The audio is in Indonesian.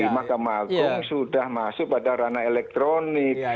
mahkamah al qum sudah masuk pada ranah elektronik